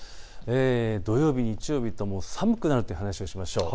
土曜日、日曜日とも寒くなるという話をしましょう。